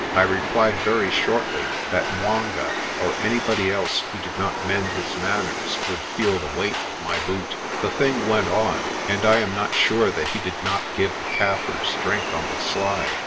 I replied very shortly that 'Mwanga or any body else who did not mend his manners would feel the weight of my boot. The thing went on, and I am not sure that he did not give the Kaffirs drink on the sly.